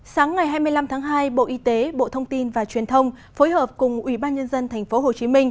sáng ngày hai mươi năm tháng hai bộ y tế bộ thông tin và truyền thông phối hợp cùng ubnd tp hcm